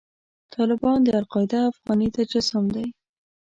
طالبان د القاعده افغاني تجسم دی.